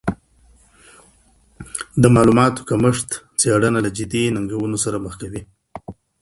د معلوماتو کمښت څېړنه له جدي ننګونو سره مخ کوي.